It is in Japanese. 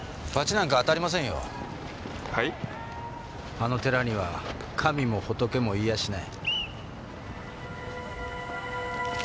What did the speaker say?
あの寺には神も仏もいやしない。